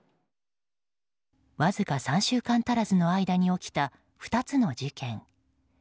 わずか３週間足らずの間に起きた２つの事件。